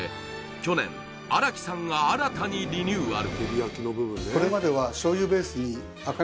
去年荒木さんが新たにリニューアル